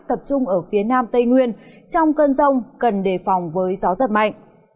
tập trung ở phía nam tây nguyên trong cơn rông cần đề phòng với gió giật mạnh